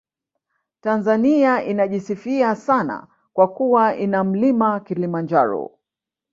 Tanzania inajisifia sana kwa kuwa ina Mlima Kilimanjaro